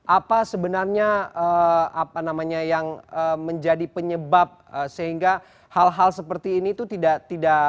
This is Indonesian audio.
apa sebenarnya yang menjadi penyebab sehingga hal hal seperti ini tidak terjadi